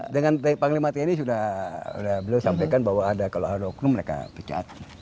dengan tni sudah sampaikan bahwa kalau ada oknum mereka pecat